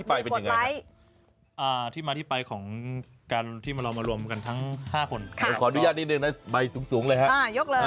ไปนี้ไงอ่ะอ่ะที่มาที่ไปของนักคออนุญาตนิดนึงในหลายสูงสูงเลยนะยกเลย